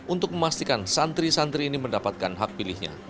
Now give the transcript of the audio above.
untuk memastikan santri santri ini mendapatkan hak pilihnya